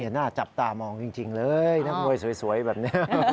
หน้าจับตามองจริงเลยนักมวยสวยแบบนี้